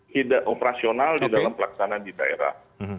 tidak operasional di dalam pelaksanaan di daerah